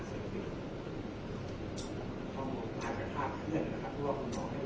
อาจมีขนลูกในการโดดเลือดได้